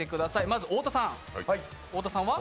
まず太田さんは？